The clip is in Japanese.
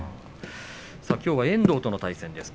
きょうは遠藤との対戦です。